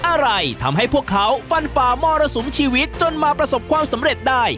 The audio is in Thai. อะไรทำให้พวกเขาฟันฝ่ามรสุมชีวิตจนมาประสบความสำเร็จได้